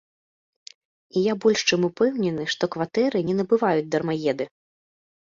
І я больш чым упэўнены, што кватэры не набываюць дармаеды.